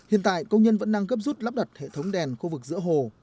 hiện tại công nhân vẫn đang gấp rút lắp đặt hệ thống đèn khu vực giữa hồ